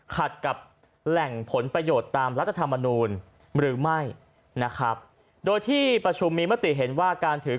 ขัดกับแหล่งผลประโยชน์ตามรัฐธรรมนูลหรือไม่นะครับโดยที่ประชุมมีมติเห็นว่าการถือ